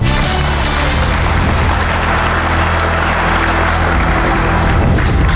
สวัสดีครับ